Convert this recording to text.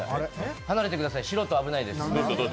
離れてください、素人は危ないです。